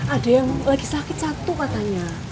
ada yang lagi sakit satu katanya